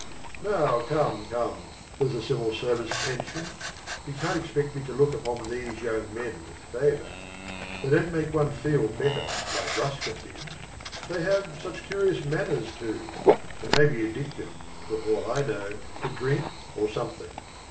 " Now come, come, there J s the Civil Service pension. You can't expect me to look on these young men with favour. They don't make one feel better like Ruskin did. They have such curious manners, too, and may be addicted, for all I know, to drink, or something.